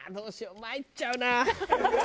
まいっちゃうな。